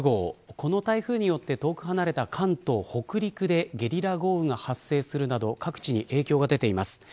この台風によって遠く離れた関東、北陸でゲリラ豪雨が発生するなど各地に影響が出ています。